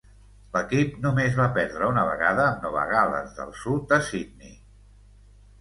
L'equip només va perdre una vegada, amb Nova Gal·les del Sud a Sydney.